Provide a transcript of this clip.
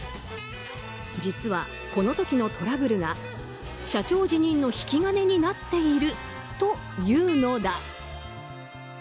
実は、この時のトラブルが社長辞任の引き金になっているというのだ。